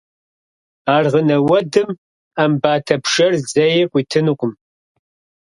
Аргъынэ уэдым Ӏэмбатэ пшэр зэи къуитынукъым.